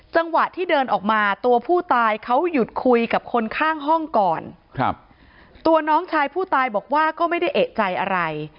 จังหวะที่เดินออกมาตัวผู้ตายเขาหยุดคุยกับคนข้างห้องก่อนครับตัวน้องชายผู้ตายบอกว่าก็ไม่ได้เอกใจอะไร